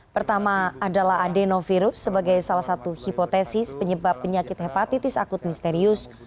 pertama adalah adenovirus sebagai salah satu hipotesis penyebab penyakit hepatitis akut misterius